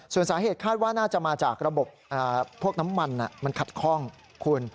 ส่วนสาเหตุคาดว่าน่าจะมาจากระบบพวกน้ำมันมันขัดข้องคุณ